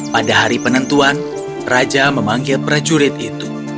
pada hari penentuan raja memanggil prajurit itu